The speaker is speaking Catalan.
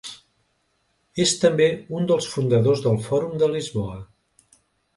És també un dels fundadors del Fòrum de Lisboa.